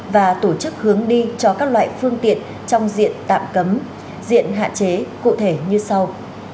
và tổ chức hướng đi cho các loại phương tiện trong diện tạm cấm diện hạn chế cụ thể như sau